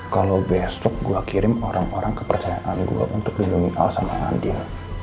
kalau besok gue kirim orang orang kepercayaan gue untuk melindungi al sama andi